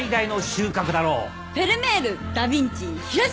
フェルメールダ・ヴィンチ広重！